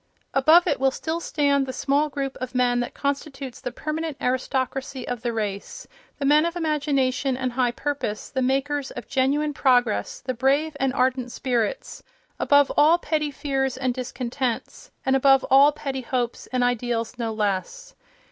Above it will still stand the small group of men that constitutes the permanent aristocracy of the race—the men of imagination and high purpose, the makers of genuine progress, the brave and ardent spirits, above all petty fears and discontents and above all petty hopes and ideals no less.